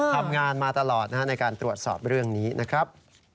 ทำงานมาตลอดในการตรวจสอบเรื่องนี้นะครับ